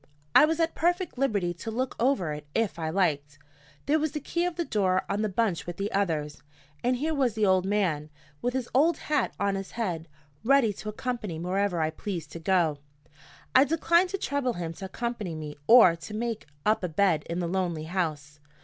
I was at perfect liberty to look over it if I liked. There was the key of the door on the bunch with the others; and here was the old man, with his old hat on his head, ready to accompany me wherever I pleased to go. I declined to trouble him to accompany me or to make up a bed in the lonely house.